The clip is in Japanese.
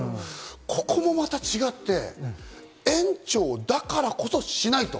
ここはまた違って、園長だからこそしないと。